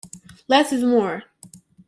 Less is more.